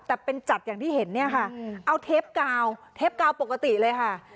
แต่เป็นจัดอย่างที่เห็นเนี่ยค่ะเอาเทปกาวเทปกาวปกติเลยค่ะ